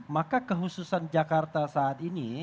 maka kehususan jakarta saat ini